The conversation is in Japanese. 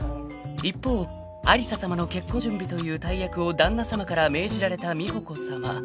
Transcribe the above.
［一方有沙さまの結婚準備という大役を旦那さまから命じられた美保子さま］